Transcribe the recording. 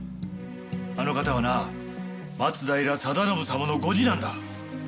あの方はな松平定信様のご次男だ。